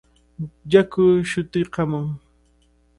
Yaku shutuykaamun.